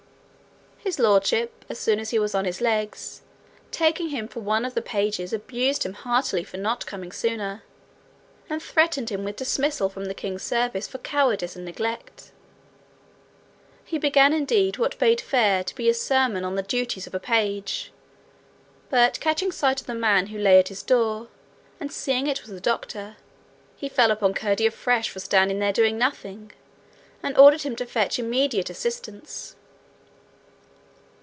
His Lordship, as soon as he was on his legs, taking him for one of the pages abused him heartily for not coming sooner, and threatened him with dismissal from the king's service for cowardice and neglect. He began indeed what bade fair to be a sermon on the duties of a page, but catching sight of the man who lay at his door, and seeing it was the doctor, he fell upon Curdie afresh for standing there doing nothing, and ordered him to fetch immediate assistance.